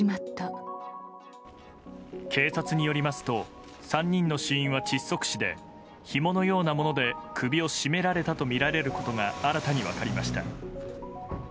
警察によりますと３人の死因は窒息死でひものようなもので首を絞められたとみられることが新たに分かりました。